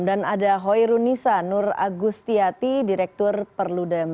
dan ada hoirun nisa nur agustiati direktur perludem